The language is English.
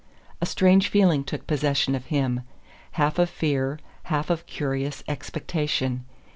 A strange feeling took possession of him half of fear, half of curious expectation.